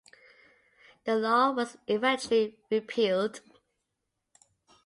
The law was eventually repealed.